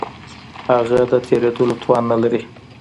هغه د تېرېدلو توان نه لري.